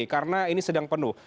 karena ini sedang penuh